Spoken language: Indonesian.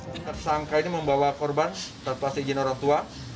tersangka ini membawa korban tak pasti izin orang tua